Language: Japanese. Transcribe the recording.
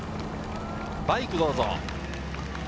バイク、どうぞ。